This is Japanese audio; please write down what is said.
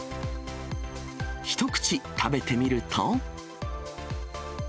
一口食べてみると。